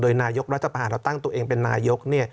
นายกรัฐประหารเราตั้งตัวเองเป็นนายก